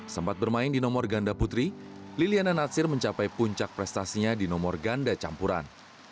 sempat bermain di nomor ganda putri liliana natsir mencapai puncak prestasinya di nomor ganda campuran